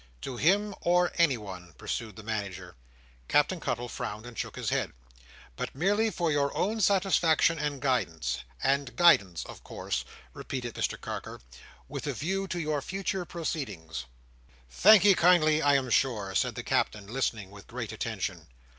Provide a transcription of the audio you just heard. "To him or anyone?" pursued the Manager. Captain Cuttle frowned and shook his head. "But merely for your own satisfaction and guidance—and guidance, of course," repeated Mr Carker, "with a view to your future proceedings." "Thank'ee kindly, I am sure," said the Captain, listening with great attention.